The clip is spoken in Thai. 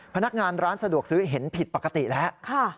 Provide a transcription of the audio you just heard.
พนักงานร้านสะดวกซื้อเห็นผิดปกติแล้ว